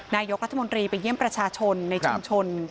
นายกรัฐมนตรีไปเยี่ยมประชาชนในชุมชน